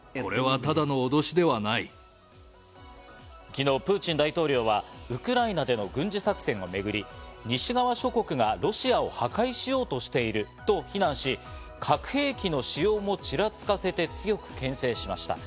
昨日、プーチン大統領はウクライナでの軍事作戦をめぐり、西側諸国がロシアを破壊しようとしていると非難し、核兵器の使用もちらつかせて、強くけん制しました。